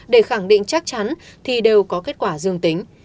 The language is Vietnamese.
để khẳng định chắc chắn thì đều có kết quả dương tính